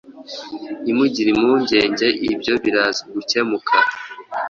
Ntimugire impungenge ibyo biraza gukemuka